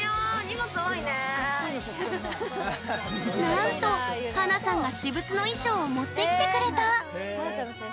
なんと、華さんが私物の衣装を持ってきてくれた！